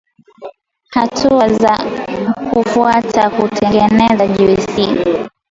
Hatua za kufuata kutengeneza juisi